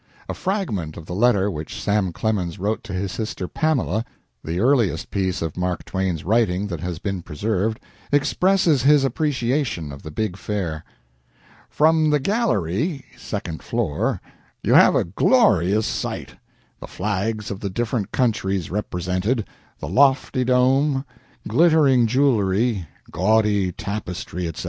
A fragment of the letter which Sam Clemens wrote to his sister Pamela the earliest piece of Mark Twain's writing that has been preserved expresses his appreciation of the big fair: "From the gallery (second floor) you have a glorious sight the flags of the different countries represented, the lofty dome, glittering jewelry, gaudy tapestry, etc.